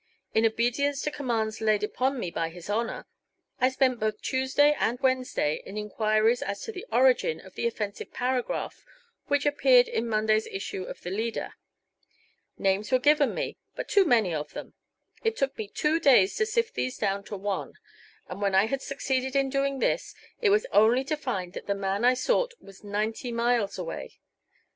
In obedience to commands laid upon me by his Honor, I spent both Tuesday and Wednesday in inquiries as to the origin of the offensive paragraph which appeared in Monday's issue of the Leader. Names were given me, but too many of them. It took me two days to sift these down to one, and when I had succeeded in doing this, it was only to find that the man I sought was ninety miles away.